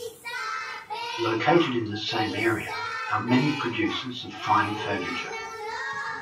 Located in the same area are many producers of fine furniture.